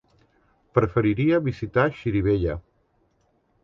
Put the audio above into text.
Preferiria visitar Xirivella.